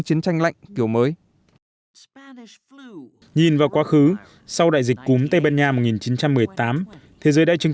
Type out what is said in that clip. chiến tranh lạnh kiểu mới nhìn vào quá khứ sau đại dịch cúm tây ban nha một nghìn chín trăm một mươi tám thế giới đã chứng